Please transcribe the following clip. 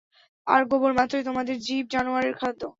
আর গোবর মাত্রই তোমাদের জীব-জানোয়ারের খাদ্য।